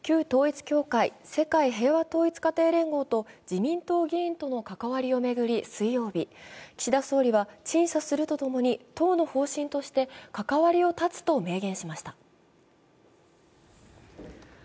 旧統一教会＝世界平和統一家庭連合と自民党議員との関わりを巡り、水曜日、岸田総理は陳謝するとともに党の方針として関わりを断つと明言しました。